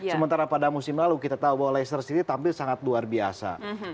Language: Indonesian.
sementara pada musim lalu kita tahu bahwa leicester sini tampil sangat luar biasa